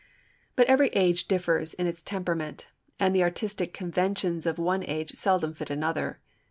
But every age differs in its temperament, and the artistic conventions of one age seldom fit another.